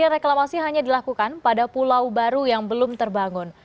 reklamasi hanya dilakukan pada pulau baru yang belum terbangun